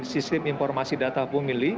sistem informasi data pemilih